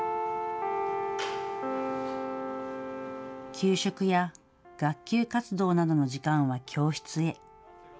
給食や学級活動などの時間は教室へ。